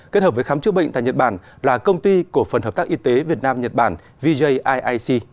kết hợp với khám chữa bệnh tại nhật bản là công ty cổ phần hợp tác y tế việt nam nhật bản vjic